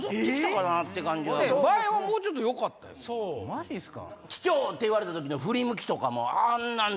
マジっすか。